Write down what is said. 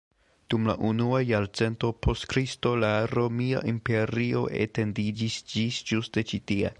Dum la unua jarcento post Kristo la romia imperio etendiĝis ĝis ĝuste ĉi tie.